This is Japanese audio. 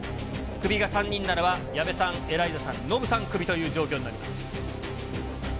クビが３人ならば、矢部さん、エライザさん、ノブさん、クビという状況になります。